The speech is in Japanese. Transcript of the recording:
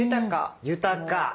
豊か。